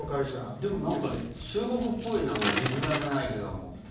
でも、なんか中国っぽい字面じゃないけども。